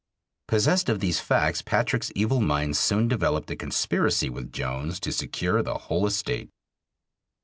Possessed of these facts Patrick's evil mind soon developed a conspiracy with Jones to secure the whole estate.